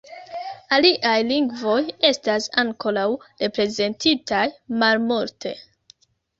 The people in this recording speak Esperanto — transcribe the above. Aliaj lingvoj estas ankoraŭ reprezentitaj malmulte.